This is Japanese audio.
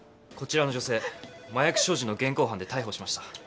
こちらの女性麻薬所持の現行犯で逮捕しました。